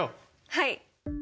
はい。